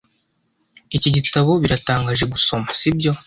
Iki gitabo biratangaje gusoma, sibyo?